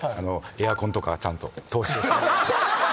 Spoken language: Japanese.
エアコンとかちゃんと投資をしながら。